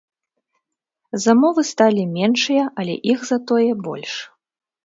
Замовы сталі меншыя, але іх затое больш.